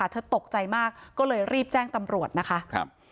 เธอตกใจมากก็เลยรีบแจ้งตำรวจนะคะ